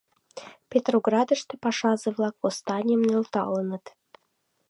Петроградыште пашазе-влак восстанийым нӧлталыныт.